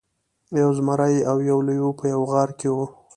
یو زمری او یو لیوه په یوه غار کې وو.